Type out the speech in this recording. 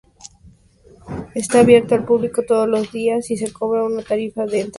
Está abierto al público todos los días y se cobra una tarifa de entrada.